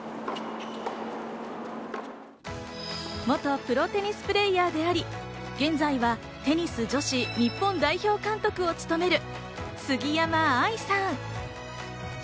元プロテニスプレーヤーであり、現在はテニス女子日本代表監督を務める杉山愛さん。